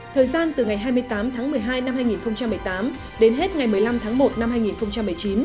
thời gian từ ngày hai mươi tám tháng một mươi hai năm hai nghìn một mươi tám đến hết ngày một mươi năm tháng một năm hai nghìn một mươi chín